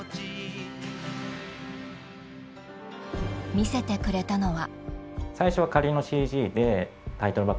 見せてくれたのは。